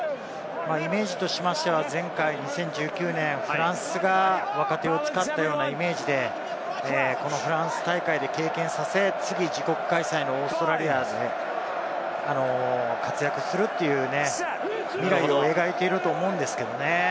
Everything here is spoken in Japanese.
イメージとしては前回２０１９年フランスが若手を使ったようなイメージで、このフランス大会で経験させ、次、自国開催のオーストラリアは活躍するという未来を描いていると思うんですけどね。